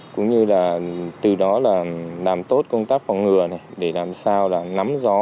cũng như là từ đó là làm tốt công tác phòng ngừa này để làm sao là nắm gió